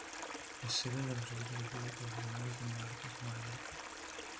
Es sede de los equipos de fútbol profesionales de Monarcas Morelia.